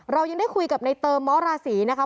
เรายังได้คุยกับในเติมมราศีนะคะ